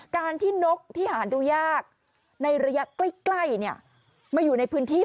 การที่นกที่หาดูยากในระยะใกล้มาอยู่ในพื้นที่